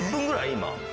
今。